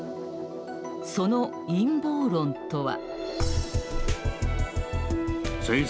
その陰謀論とは。